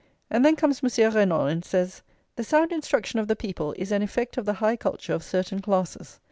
And then comes Monsieur Renan, and says: "The sound instruction of the people is an effect of the high culture of certain classes.